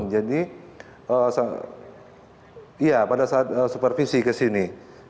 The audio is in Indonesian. jadi ya pada saat supervisi ke sini